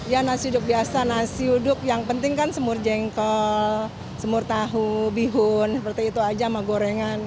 ya nasi uduk biasa nasi uduk yang penting kan semur jengkol semur tahu bihun seperti itu aja sama gorengan